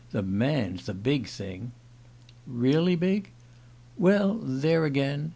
The man's the big thing." "Really big?" "Well there again. ...